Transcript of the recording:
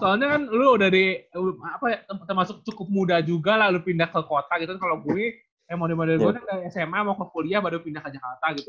soalnya kan lu dari termasuk cukup muda juga lah lu pindah ke kota gitu kan kalau gue model model dari sma mau ke kuliah baru pindah ke jakarta gitu